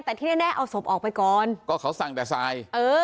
แต่ที่แน่เอาศพออกไปก่อนก็เขาสั่งแต่ทรายเออ